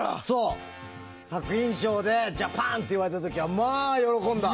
作品賞でジャパンって言われた時はまあ、喜んだよ。